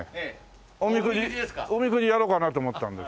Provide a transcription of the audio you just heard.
おみくじやろうかなと思ったんだよ。